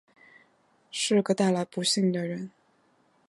是个带来不幸的人